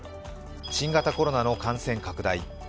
新型コロナの感染拡大